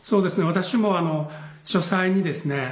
私も書斎にですね